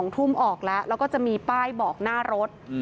๒ทุ่มออกแล้วแล้วก็จะมีป้ายบอกหน้ารถ